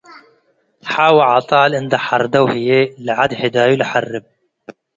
ሐ ወዐጣል እንዴ ሐርደው ህዬ ለዐድ ህዳዩ ለሐርብ ።